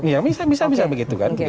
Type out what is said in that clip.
ya bisa bisa begitu kan